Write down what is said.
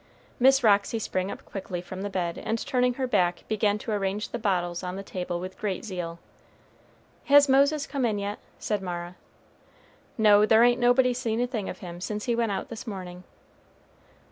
Miss Roxy sprang up quickly from the bed, and turning her back began to arrange the bottles on the table with great zeal. "Has Moses come in yet?" said Mara. "No, there ain't nobody seen a thing of him since he went out this morning."